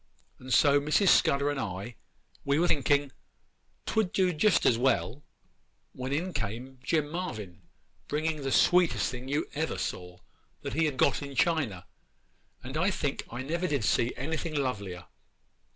And so Mrs. Scudder and I, we were thinking 'twould do just as well, when in came Jim Marvyn bringing the sweetest thing you ever saw, that he had got in China, and I think I never did see anything lovelier.